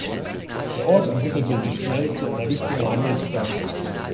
Der Ort entwickelte sich schnell zu einer wichtigen Handelsstadt.